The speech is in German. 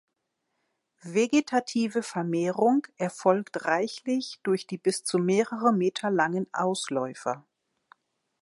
Vegetative Vermehrung erfolgt reichlich durch die bis zu mehrere Meter langen Ausläufer.